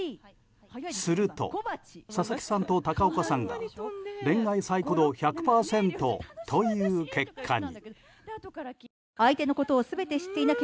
すると佐々木さんと高岡さんが恋愛サイコ度１００％という結果に。